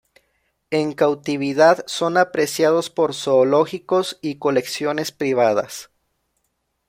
En cautividad son apreciados por zoológicos y colecciones privadas.